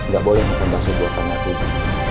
gak boleh makan bakso buat anak ibu